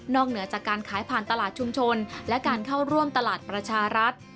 เหนือจากการขายผ่านตลาดชุมชนและการเข้าร่วมตลาดประชารัฐ